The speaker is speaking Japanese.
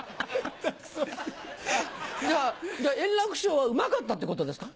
いや、円楽師匠はうまかったってことですか。